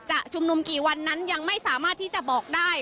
ชุมนุมกี่วันนั้นยังไม่สามารถที่จะบอกได้